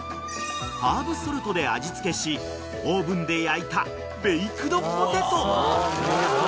［ハーブソルトで味付けしオーブンで焼いた］